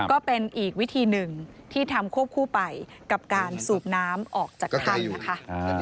ก็เป็นอีกวิธีหนึ่งที่ทำควบคู่ไปกับการสูบน้ำออกจากถ้ำนะคะ